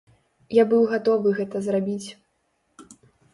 Я быў гатовы гэта зрабіць.